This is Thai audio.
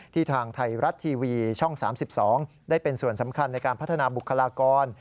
ทางไทยรัฐทีวีช่อง๓๒ได้เป็นส่วนสำคัญในการพัฒนาบุคลากร